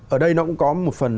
ở đây nó cũng có một phần